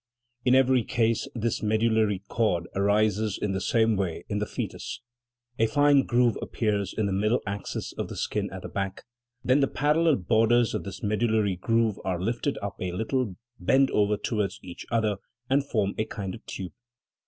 In every case this medullary cord arises in the same way in the foetus ; a fine groove appears in the middle axis of the skin at the back ; then the par allel borders of this medullary groove are lifted up a little, bend over towards each other, and form into a kind of tube.